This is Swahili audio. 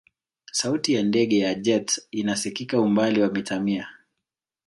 sauti ya ndege ya jet ina sikika umbali wa mita mia